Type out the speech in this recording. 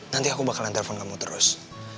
nanti aku bakalan telepon kamu terus